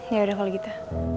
yaudah kalau gitu